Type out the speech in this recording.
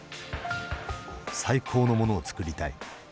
最高のものを作りたい。